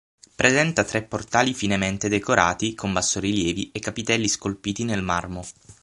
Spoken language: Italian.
Presenta tre portali finemente decorati con bassorilievi e capitelli scolpiti nel marmo.